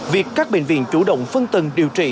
việc các bệnh viện chủ động phân tầng điều trị